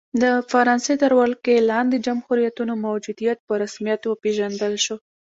د فرانسې تر ولکې لاندې جمهوریتونو موجودیت په رسمیت وپېژندل شو.